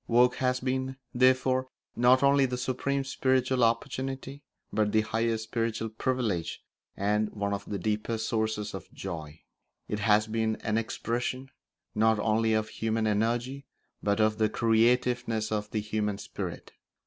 Work has been, therefore, not only the supreme spiritual opportunity, but the highest spiritual privilege and one of the deepest sources of joy. It has been an expression not only of human energy but of the creativeness of the human spirit.